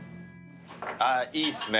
あーいいっすね。